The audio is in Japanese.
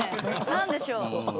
何でしょう。